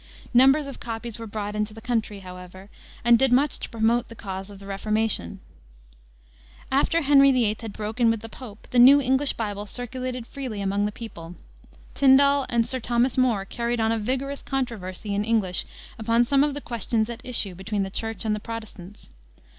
Numbers of copies were brought into the country, however, and did much to promote the cause of the Reformation. After Henry VIII. had broken with the Pope the new English Bible circulated freely among the people. Tyndal and Sir Thomas More carried on a vigorous controversy in English upon some of the questions at issue between the Church and the Protestants.